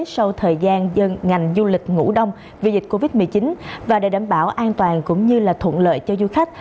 sau thời gian dân ngành du lịch ngủ đông vì dịch covid một mươi chín và để đảm bảo an toàn cũng như thuận lợi cho du khách